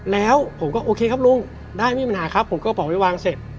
แล้วผมก็โอเคครับลุงได้ไม่มีปัญหาครับผมก็กระเป๋าไปวางเสร็จ